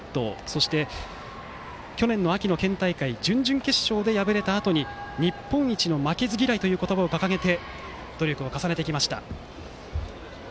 そして、去年秋の県大会準決勝で敗れたあとに日本一の負けず嫌いという言葉を掲げて努力を重ねてきました。